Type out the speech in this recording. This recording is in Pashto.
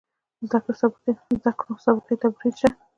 زده کړو سابقې توپیر شته.